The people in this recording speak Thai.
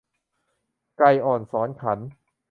ไก่อ่อนสอนขัน